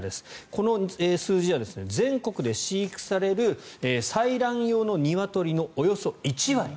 この数字は全国で飼育される採卵用のニワトリのおよそ１割。